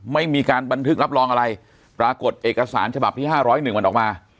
ไม่มีการบันทึกรับรองอะไรปรากฏเอกสารฉบับที่๕๐๑มันออกมา